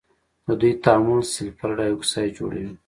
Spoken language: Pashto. د دوی تعامل سلفر ډای اکسايډ جوړوي.